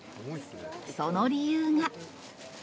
その理由が。